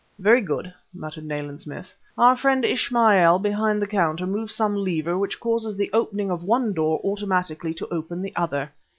"Very good!" muttered Nayland Smith. "Our friend Ismail, behind the counter, moves some lever which causes the opening of one door automatically to open the other.